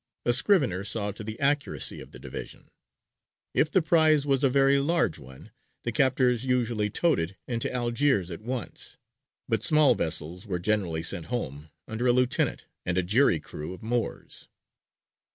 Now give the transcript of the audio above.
A scrivener saw to the accuracy of the division. If the prize was a very large one, the captors usually towed it into Algiers at once, but small vessels were generally sent home under a lieutenant and a jury crew of Moors.